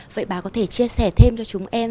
vậy bà có thể chia sẻ thêm cho chúng em